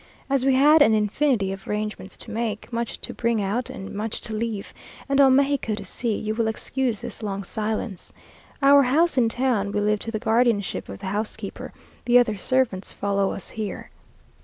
As we had an infinity of arrangements to make, much to bring out, and much to leave, and all Mexico to see, you will excuse this long silence. Our house in town we leave to the guardianship of the housekeeper; the other servants follow us here.